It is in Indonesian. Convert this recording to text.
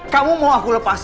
kamu mau aku lepasin